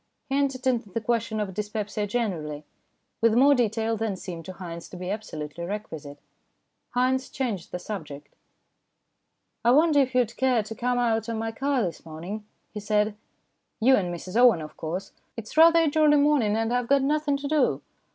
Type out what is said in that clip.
He entered into the question of dyspepsia generally, with more detail than seemed to Haynes to be absolutely requisite. Haynes changed the subject. " I wonder if you would care to come out on my car this morning ?" he said " you and Mrs Owen, of course. It's rather a jolly morning, and I've 192 STORIES IN GREY got nothing to do.